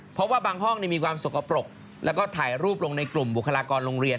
เพราะว่าบางห้องมีความสกปรกแล้วก็ถ่ายรูปลงในกลุ่มบุคลากรโรงเรียน